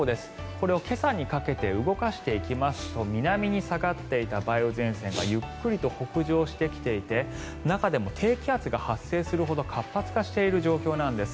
これを今朝にかけて動かしていきますと南に下がっていた梅雨前線がゆっくりと北上してきていて中でも低気圧が発生するほど活発化している状況なんです。